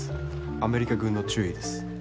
アメリカ軍の中尉です。